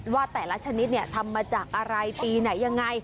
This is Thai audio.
ว่าแต่ละชนิดทำมาจากอะไรปีไหนยังไง